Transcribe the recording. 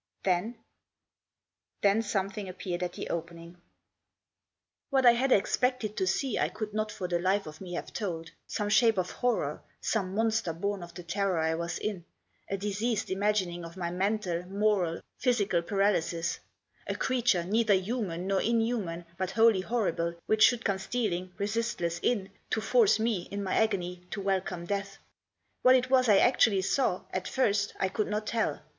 Then Then something appeared at the opening. What I had expected to see I could not for the life of me have told. Some shape of horror, some monster born of the terror I was in ; a diseased imagining of my mental, moral, physical paralysis ; a creature, neither human nor inhuman, but wholly horrible, which should come stealing, resistless, in, to force me, in my agony, to welcome death. What it was I actually saw, at first, I could not tell.